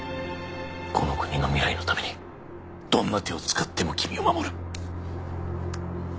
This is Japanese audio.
この国の未来のためにどんな手を使っても君を守る。